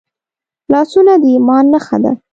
لاسونه د ایمان نښه ده